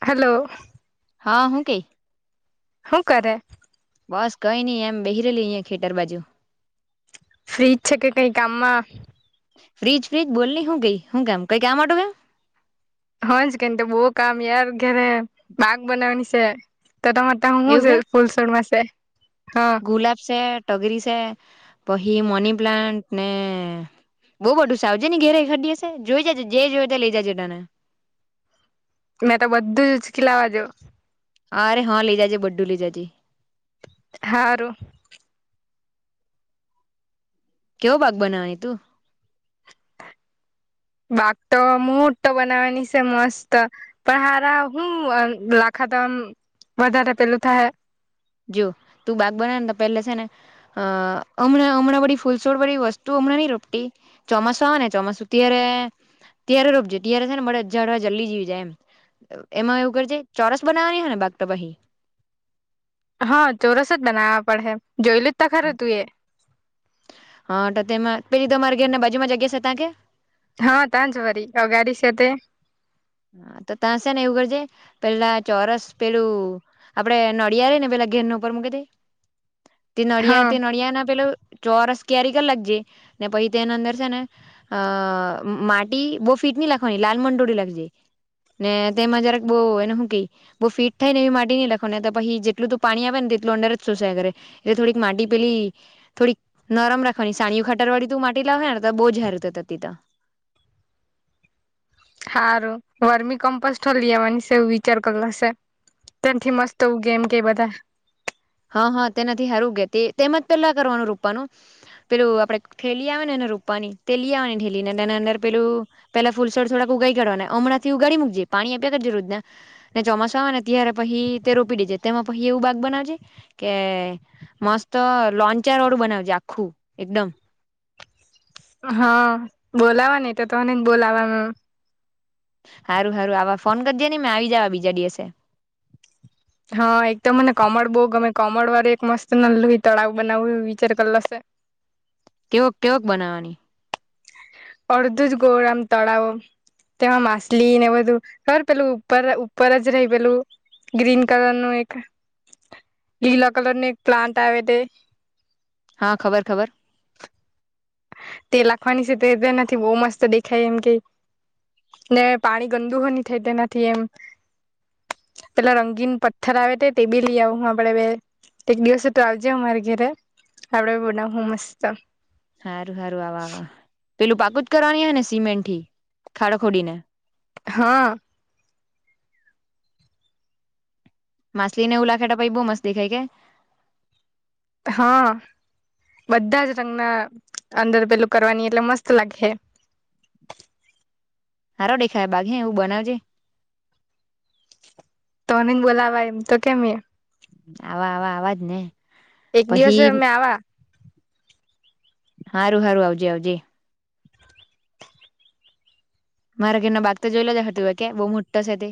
Hello. હા હું કેઈ. હું કરે બસ કઈ નઈ એમ બેહી રેલી અહીયાં ખેતર બાજુ ફ્રીજ છે કે કઈ કામમાં ફ્રીજ ફ્રીજ બોલ ન શું કઈ શું કેમ કઈ ક્યા માટે કેમ હજ કે તો બહ કામ યાર ઘેરે બાગ બનાવાની છે. તો તમારે હુંું એવું છે કે ફૂલસોડ માસે હા પહી મની પ્લાન્ટન્ટને બહુ બધું સાવજે ની ઘેરે ખડી હશે જોઈ જજે જે જોઈ ત લઇ જજે તને મેં તો બધું જ ઉચકીલાવાજો હ અરે હા લઈ જજે બધું લઈ જજે હાારું. કેવો ભાગ બનાવાની તું બાક તો મુહૂર્તો બનાવાની છે મસ્ત પણ હારા હું લાખાતામ વધારે પેલું થાય. જો તું બાગ બના ને તો પહેલે છે ને અ હમણાં હમણાં બી ફૂલસોડ બળી વસ્તુઓ ચમ ની રોટટી ચોમાસા આવે ને ચોમાસું ત્યારે ત્ય્યારે રોપજે ત્યારે છે ને મળ હજાર વાર જલ્દી જવી જાય એમ એમાં એવું કરજ ચોરસ બનાવાની હ ને બાગટભહી હા ચોરસ જ બનાવવા પડે. જયલિતતા ખ ર તું એ. [unintelligible] પેલીીધ અર ઘર ને બાુમાં જગ્યા છે ત્યા કે. હા તાં જ ભરી અ ગાડી છે તે. હા તો તશે ને એવું કરજે પેલા ચોરસ પેલું આપડે નડિયળે ને પેલા અગિર ન ઉપરગ તે [inaudible] તે નળિયા હા તે નળિયા ના પેલા ચોરસ કારી કર લાગ જાય ને પછી તેના અંદર છે ને અ માટી બહ ફિટની લખવાની લાલ મંડોડી લખજે [inaudible] ને તેમાં જરાક બહુ એને શું બહુ ફીટ થાય ને એવી માટી નહીં લખો ને પહી જેટલું તે પાણી આવે ને તેટલું અંદર ચૂસ્યા કરે એટલે થોડીક માટી પેલી થોડીક નરમ રાખવાની સાણીયુ ખાતર વાળી તુ માટી લા કરતા બોજ હરતા તા તીતા [inaudible] હારું વરમી કમ્પોસટલ આવાની શે વિચાર કરલા શે. ત્યાંથી મસ્તવું ગેમ કે બધા હા હા તેના હારું ગ તેજ પેલા કરવાનું રોપવાનું પેલું આપડે થેલી આવે ને રૂપાની તે લી આવાની ઢેલી ને તેના અંદ પેલું પેલા ફુલસર થોડાક ઉગાઈ કાઠવાના હમણાં થી ઉગાડી મૂક્જે. પાણી આપ્યા જ રોજના ને ચોમાસા આવે ને ત્યારે પછી તે રોપી દેજે તેમાં પહી એવું બાગ બનાવેજે. કે મસ્ત લોન્ચાર વાળું બનાવજે આખું એકદમ. હા બોલાવાને તો તને જ બોલાવા હારું હારું આવા ફોન કરજે ને મેં આવી જવા બીજા દિવસે. હા એકદમ મને કોમળ બો ગમે કોમળ વાળું એક મસ્ત લોહી તળાવ બનાવવું વિચાર કરેલો શે. [inaudible] કેવક કેવક બનાવાની. અર્ધું જ ગૌરામ તળાવ. તેમાં માછલી ને બધું બર પેલું ઉપર ઉપર જ રેય પેલું. ગ્રીન કલર નું એક લીલા કલર નું એક પ્લાન્ટ આવે તે. હા ખબર ખબર. તે લાખવાની છે તેનાથી બહુ મસ્ત દેખાય એમ કે. ને પાણી ગંદુ હ ની થાય તેનાથી એમ. પેલા રંગીન પથ્થર આવે તે તે બી લઈ આવ હું આપડે બે. એક દિવસ તો આવજે મારા ઘરે આપડે બનાવહુ મસ્ત. હારુ હારુ આવા આવા પેલું પાકું જ કરવાની હે ને સિમેન્ટ થી ખાડો ખોડીને. હા. માછલી ને એવું લાખે ત પહી બો મસ્ત દખાય કે. હા. બધા જ રંગના અંદર પેલું કરવાની એટલે મસ્ત લાગે. [inaudible] હારો દેખાય બાગ હે એવું બનાવજે. તોની બોલાવા એમ તો કેમય. આવા આવા આવા જ ને એક પછી દિવસે અમે આવા. હારું હારું આવજે આવજે. મારા ઘરના બાગ તો જોઈ લો જ ઓહે તું કે બહુ મોટો છે તે.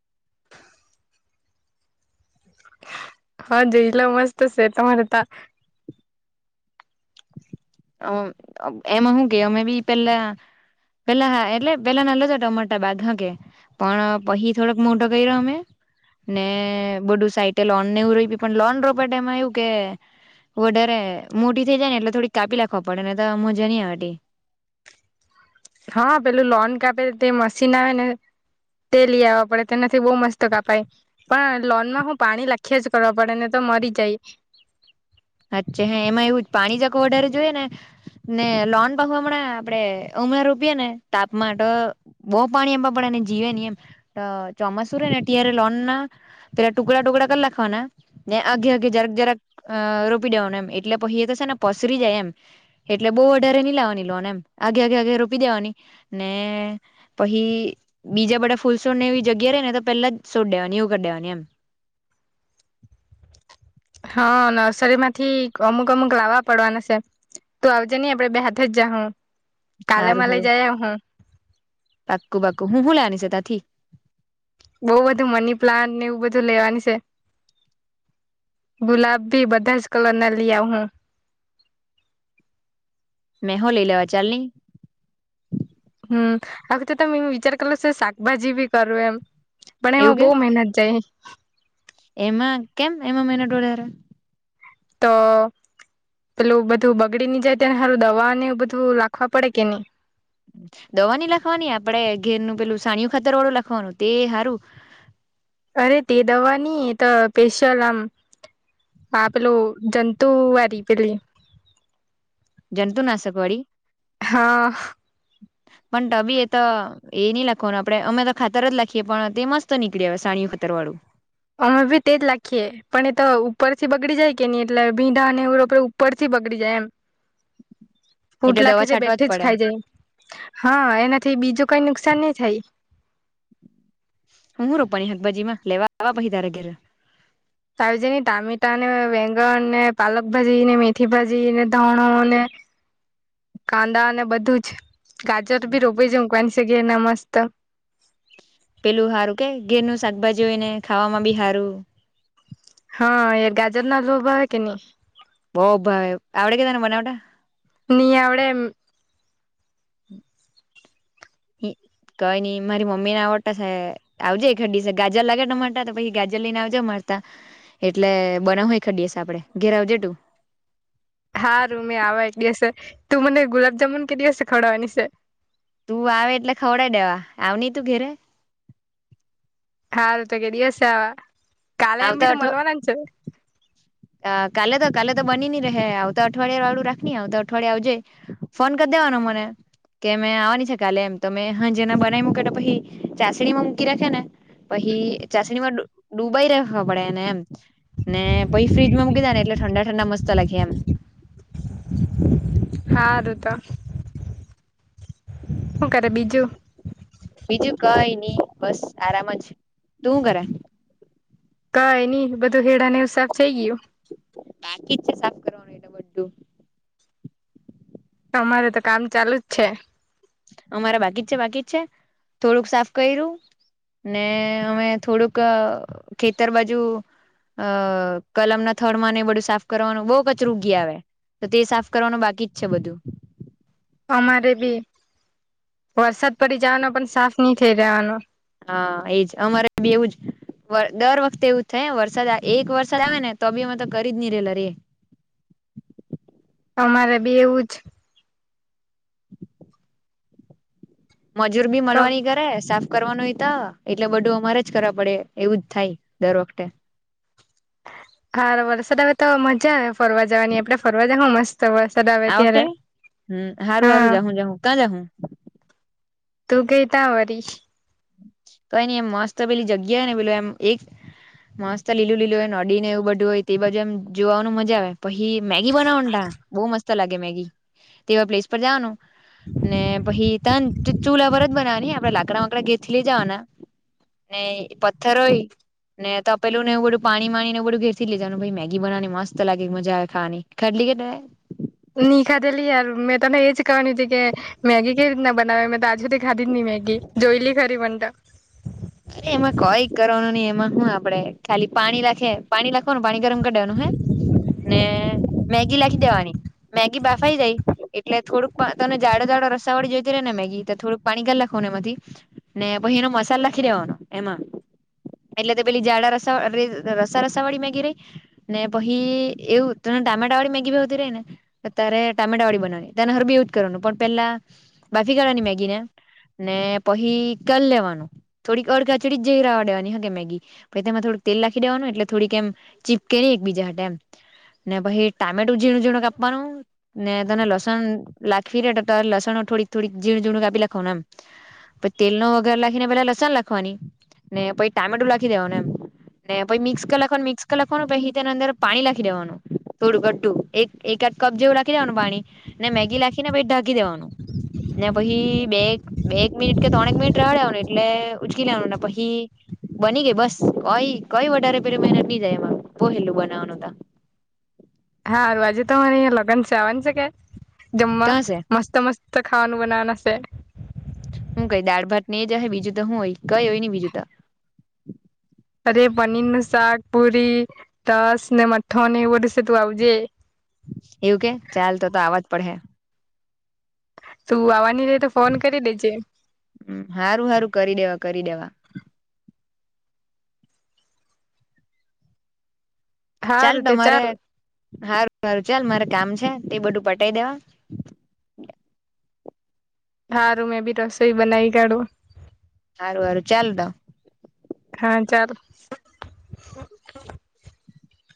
[inaudible] હા જોયેલો મસ્ત છે તમારે તા. અ એમાં હું અમે બી પહેલા. પેલા હા એટલે પેલા ના લેતા ટમાટા બાદ હ કે પણ પહી થોડોક મોટો કરીયો અમે ને બધું સાઈટે લોન ને એવું રોયપું પણ લોન રોપે એમાં એવું કે વડારે મોટી થઈ જાય ને એટલે થોડી કાપી લાખવા પડે ને તો મજા ની આવે તે. હા પેલું લોન કાપે તે મશીન આવે ને. તે લઈ આવવા પડે તેનાથી બહુ મસ્ત કાપાય પણ લોન માં હું પાણી લખીયાજ કરવા પડે ને તો. મરી જાય. અચ્છા હે એમાં એવું પાણી જાક વધારે જોય ને. ને લોન પાખવા પણે આપડે અમે રોપિયે ને તાપમાં તો બોવ પાણી આપવા પડે. ને જીવે ની એમ ચોમાસું રે ને ત્યાંરે લોન ના પેલા ટુકડા ટુકડા કરી લાખવાના. ને અગે અગે જરાક જરાક અ રો પી લેવાનું એમ એટલે પહી એ તો શે ને પસરી જાય એમ એટલે બહુ વધારે લાવવાની લોને એમ આગે આગે આગે રોપી દેવાની ને પહી બીજા બધા ફૂલસોને એવી જગ્યા રે ને તો પેલા છોડ દેવાની એવું કદેવાની એમ [inaudible] હા નર્સરી માંથી અમુક અમુક લાવવા પડવાના છે. તો આવજે નહી આપડે બે હાથે જ જાહું સારું સારું પાક્કું પાક્કું હું હુ લેવાની છે ત્યાંથી બહુ બધું મની પ્લાન્ટને એવું બધું લેવાની છે. ગુલાબ ભી બધા જ કલર ના લી આવ હું [inaudible] મેંહો લેય લેવા ચાલની હમ આવખતે વિચાર કરલ સે શાકભાજી બી કરુ એમ પણ એવું એમાં બહુ કે મહેનત જાય એમાં કેમ એમાં મેહનત વધારે તો પેલું બધું બગડી ની જાય તેને સારું દવા ને બધું રાખવા પડે કે નહી દવાની લાખવાની આપડે ઘેરનું પેલું સાણિયું ખાતર વાળું લખવાનું તે હારું અરે તે દવાની એત સ્પેશિયલ આમ હા પેલુ જંતુ વારી પેલી જંતુનાશક વાડી હા પણ તબી એ તો એ નહી લખવાનું આપડે અમે તો ખાતર જ લખીએ પણ તે મસ્ત નીકળી આવે સાણીયુ તરવાડું અમે ભી તેજ લાખીએે પણ એ તો ઉપરથી બગડી જાય કે નહી એટલે ભીંડા ને વુ ઉપર થી બગડી જાય એમ એટલે ફૂટલાખે દવા તે છાંટવા બેઠે જ પડે ખાઈ જાય હા એનાથી બીજું કઈ નુકસાન ની થય હું હું રોપાની હકભાજી માં લેવા આવા પહી તારા ઘેરે [unintelligible] ને ટામેટા ને વેંગણ ને પાલક ભાજી ને મેથી ભાજી ને ધાણો ને કાંદા અને બધું જ ગાજર બી રોપી જ મુકવાની છે ધેરના મસ્ત પેલું હારું કે ઘેરનું શાકભાજી હોય ને ખાવામાં બી હારું હા એ ગાજર નાલુ ભાવે કે ની બો ભાઈ આવડે કે તને બનાવટા ની આવડે [inaudible] કઈ ની મારી મમ્મીને આવડતા છે આવજે એખડ દીસે ગાજર લાગે ટ તો પછી ગાજર લઈને આવજે અમા ટા એટલે બનાવહુ એખાડ દીવસે આપડે ઘેરે આવજે તુ દસે તું મને ગુલાપ જામુન કે દીવસે ખવદાવાની શે તું આવે એટલે ખવડઈ દેવા આવ ની તું ઘેરે હાલ તો કે દિવસે આવા કાલે એમ આવતા ભી તો અઠ મલવાના છે. કાલે તો કાલે તો બની ની રહે આવ તો અઠવાડિયા વાળું રાખ ની આવ તો અઠવાડિયા આવજે ફોન કર દે વાનો મને કે મે આવાની છે કાલે એમ તો મે હાજે ના બનાવી મૂકા ત પછી ચાસણીમાં મૂકી રાખે ને પહી ચાસણી માં ડૂબાઈ રાખવા પડેને એમ ને પછ ફ્રીજમાં મૂકી દેવાના એટલે ઠંડા ઠંડા મસ્ત લાગે એમ હારું તો હું કરે બીજું બીજું કઈ ની બસ આરામ જ તું હુ કરે કઈ ની બધું હેડા નેવુ સાફ થઈ ગયું. બાકી જ છે સાફ કરવાનું એટલે બધું તમારે તો કામ ચાલુ જ છે. અમારા બાકી જ છે બાકી જ છે થોડુંક સાફ કર્યું ને અમે થોડુંક ખેતર બાજુ અ કલમ ના થડ માં ને બધું સાફ કરવાનું બહુ કચરુંગી આવે. તો તે સાફ કરવાનું બાકી જ છે બધું અમારે બી વરસાદ પડી જવાનો પણ સાફ નહી થઇ રવાનો હા એજ અમારે બી એવું જ દર વખતે એવું થાય વરસાદ એક વરસાદ આવે ને તો બી એમાં તો કરી જ નહી રેલા રે તમારે બી એવું જ મજૂર ભી જ મલવાની કરે સા કરવાનું ત એટલે બધું અમારે જ કરવા પડે એવું જ થાય દર વખતે હા વરસાદ હમાં તો મજા આવે ફરવા જવાની આપડે ફરવા જ મસ્ત. વરસાદ આવે આ ત્યારે વખતે હમ સારું હા સારું જાું જાું ક્યાં જાઉું. તું ગઈતા વરી કઈ નઈ એમ મસ્ત પેલી જગ્યા ને પેલું એમ એક મસ્ત લીલું લીલું હોય નડી ને એવું બધું હોય તે બાજુ એમ જોવાનું મજા આવે પછી મેગી બનાવ બહુ મસ્ત લાગે મેગી તેવા પ્લેસ પર જવાનું ને પછી ત ચૂલા પર જ બનાવાની આપડે લાકડા વાકડા ઘે થી લઈ જવાના ને પથ્થર હોય ને તો પેલું ને એવું બધું પાણી માણી ને બધું ઘેરથી લેવાનું ભ મેગી બનાવાની મત લાગે મજા ખવાની ખાલી અ કેટ [unintelligible] નિ ખાતેેલી મ મેં તને એજ ક હતી કે મ મેગી કે ના બનાાવે મે તો આજ સુી ખાઢી નિ મેગી જોયલી ખરી પણતા અ એમાં કોઈ કરવાનું નહી એમાં શું આપડે ખાલી પાણી રાખે પાણીખ કોનું પાણી ગરમ કરી દેવાનું હે ને મેગી લખી દેવાની મેગી બાફાઈ જાય એટલે થોડુંક તને જાડો જાાડો રસા વાળી જોઈતી ર રહે ને થોડુંક પાણી ગ લખવાને એમાંથી ને પછી એનો મસાલો નાખી દેવાનો એમાં એટલે તો પેલી જાડા રસા રસા રસા વાળી ગી રહી ને પછી એવું ત ટામેટા વાળી મેગી ભી હોતી ર ને ત્યારે ટામેટા વાળી બનાવા તનેર બી યુ કરવાનું પણ પેલા બાફી કરવાાની મેગી ને ને પછી કલ લેવાનું થોડીક અડધાચડી જરાવા દેવાની હ કે મેગીછ તેમાં થોડીક તેલ લખી દેવાનું એટલે થોડીક એમ ચીપકે નહી બીજા હા ટટેમ ને પછી ટામેટું ઝીણું ઝીણું કાપવાનું ને તને લસણ લખવી રે તો ત લસણ થોડીક થોડીક જીણઝીણ કપી લખ એમ પ તેલ નો વગર લખીને પેલા કાન લખવાની ને પછ ટામેટું લખી દેવા ને એમ ને પછી મિક્સ કરી લખવાનું મિક્સ કર લખવાનું પછ તેના અંદર પાણી લખી દેવાનું થોડું ઘડું એક કપ જેવું રાખી દેવાનું પાણી ને મેગી રાખીને પછી ઢાકી દેવાનું ને પછી બે બે એક મિનિટ કે ત્રણેક મિનિટ રડ્યા આવને એટલે ઉચકી લનું ના પહી બની ગઈ બસ કઈ કઈ વટારેે પે મહેનત ન જાય બો હેલું બના [inaudible] હારું આજે તોરે અયા લગ્ન છે આવવાનું છે કે જમવા ત્યાં છે મસ્ત મસ્ત ખાવાનું બનાવા નાસે હું કઈ દાળ ભાત ને જ હ બીજું તો હું હોય કઈ હોય ન બીજું તો અરે પનીર નું શાક પુરી રસ ને મઠન એવું બધું છે તું આવજે એવું કે ચાલ [inaudible] તું આવવાની રે તો ફોન કરી દેજે સારું સારું કરી દેવા કરી દેવા ચાલ હારું તે તમારે હાર ું ચાલ મારે કામ છે તે બધું પટાઈ દેવા. હારું મેં ભી રસોઈ બનાઈ કાઢું. સારું સારું ચાલ દ. હા ચાર.